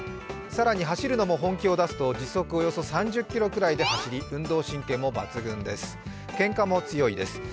更に走るのも本気を出すと時速およそ３０キロくらいで走り運動神経も抜群です。